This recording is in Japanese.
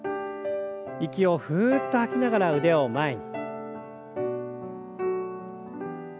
息をふっと吐きながら腕を前に。